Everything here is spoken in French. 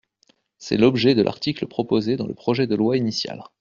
C’est l’objet de l’article proposé dans le projet de loi initial.